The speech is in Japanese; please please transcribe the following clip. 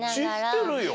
知ってるよ。